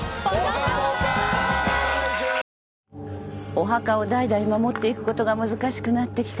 お墓を代々守っていくことが難しくなってきた